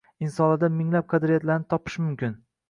Insonlarda minglab qadriyatlarni topish mumkin